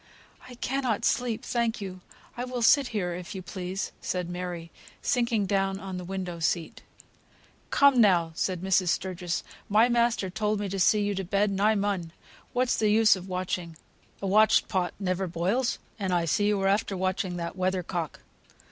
"I cannot sleep, thank you. I will sit here, if you please," said Mary, sinking down on the window seat. "Come, now," said Mrs. Sturgis, "my master told me to see you to bed, and I mun. What's the use of watching? A watched pot never boils, and I see you are after watching that weather cock.